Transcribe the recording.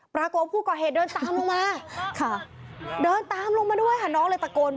ปรากฏว่าผู้ก่อเหตุเดินตามลงมาค่ะเดินตามลงมาด้วยค่ะน้องเลยตะโกน